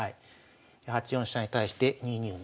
８四飛車に対して２二馬。